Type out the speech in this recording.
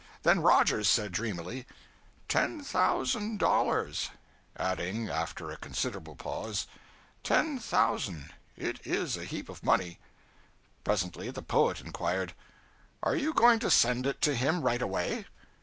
Then Rogers said dreamily 'Ten thousand dollars.' Adding, after a considerable pause 'Ten thousand. It is a heap of money.' Presently the poet inquired 'Are you going to send it to him right away?'